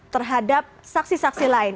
terhadap saksi saksi lain